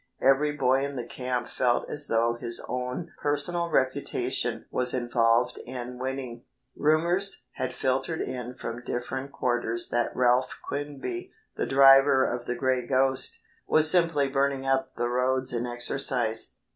Every boy in the camp felt as though his own personal reputation was involved in winning. Rumors had filtered in from different quarters that Ralph Quinby, the driver of the "Gray Ghost", was simply burning up the roads in exercise.